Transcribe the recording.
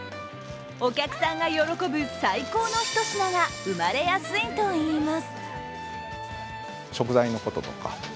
お客さんが喜ぶ最高のひと品が生まれやすいといいます。